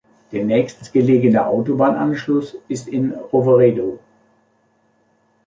Der nächstgelegene Autobahnanschluss ist in Roveredo.